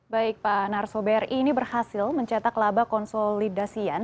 baik pak narso bri ini berhasil mencetak laba konsolidasian